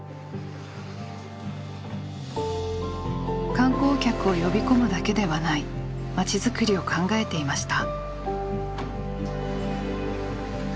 観光客を呼び込むだけではない街づくりを考えていました。